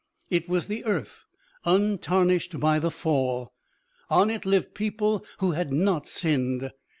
It was the earth untarnished by the Fall; on it lived people who had not sinned.